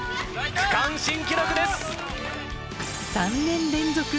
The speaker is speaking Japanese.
区間新記録です。